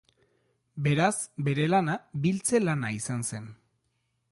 Beraz, bere lana, biltze lana izan zen.